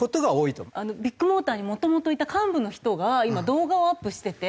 ビッグモーターにもともといた幹部の人が今動画をアップしてて。